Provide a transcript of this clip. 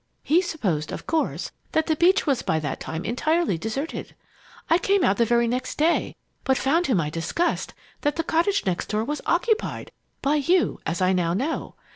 He supposed, of course, that the beach was by that time entirely deserted. I came out the very next day, but found to my disgust that the cottage next door was occupied by you, as I now know!